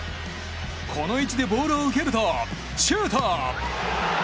この位置でボールを受けるとシュート！